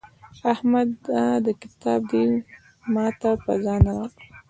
احمده دا کتاب دې ما ته په ځان راکړه.